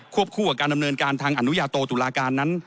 คู่กับการดำเนินการทางอนุญาโตตุลาการนั้น